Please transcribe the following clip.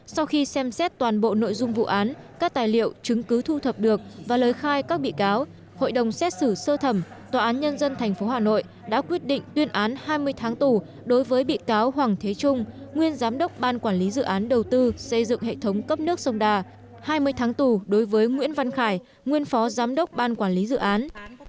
sau khi xem xét toàn bộ nội dung vụ án các tài liệu chứng cứ thu thập được và lời khai các bị cáo hội đồng xét xử sơ thẩm tòa án nhân dân tp hà nội đã quyết định tuyên án hai mươi tháng tù đối với bị cáo hoàng thế trung nguyên giám đốc ban quản lý dự án đầu tư xây dựng hệ thống cấp nước sông đà hai mươi tháng tù đối với nguyễn văn khải nguyên phó giám đốc ban quản lý dự án